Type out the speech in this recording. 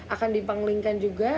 akan dipengelingkan juga